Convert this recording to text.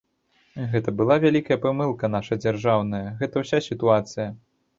Гэта была вялікая памылка наша дзяржаўная, гэта ўся сітуацыя.